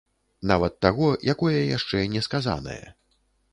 Нават таго, якое яшчэ не сказанае.